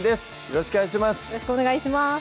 よろしくお願いします